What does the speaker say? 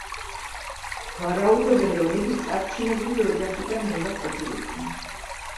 ვარაუდობენ, რომ იგი წარჩინებული ოჯახიდან უნდა ყოფილიყო.